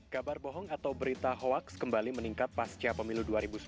kabar bohong atau berita hoaks kembali meningkat pasca pemilu dua ribu sembilan belas